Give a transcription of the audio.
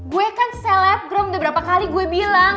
gue kan selebgrome udah berapa kali gue bilang